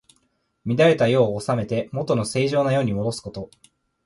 乱れた世を治めて、もとの正常な世にもどすこと。